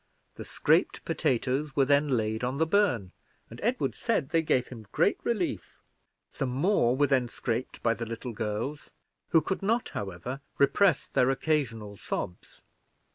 The scraped potatoes were then laid on the burn, and Edward said they gave him great relief. Some more were then scraped by the little girls, who could not, however, repress their occasional sobs.